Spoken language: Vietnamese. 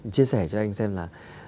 chia sẻ cho anh xem là